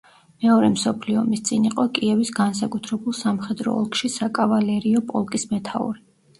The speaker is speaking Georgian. მეორე მსოფლიო ომის წინ იყო კიევის განსაკუთრებულ სამხედრო ოლქში საკავალერიო პოლკის მეთაური.